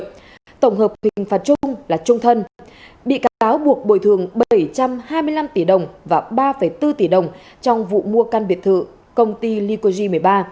tòa tuyên phạt đinh ngọc hệ tổng hợp hình phạt trung là trung thân bị cáo buộc bồi thường bảy trăm hai mươi năm tỷ đồng và ba bốn tỷ đồng trong vụ mua căn biệt thự công ty lyquogy một mươi ba